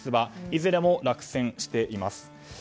いずれも落選しています。